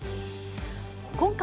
今回、